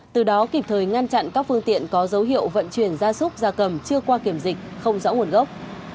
từ đó kịp thời ngăn chặn các phương tiện có dấu hiệu vận chuyển gia súc gia cầm chưa qua kiểm dịch không rõ nguồn gốc